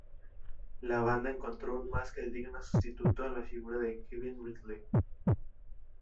La banda encontró un más que digno sustituto en la figura de Kevin Ridley.